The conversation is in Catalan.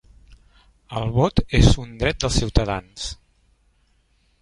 El vot és un dret dels ciutadans